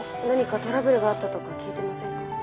何かトラブルがあったとか聞いてませんか？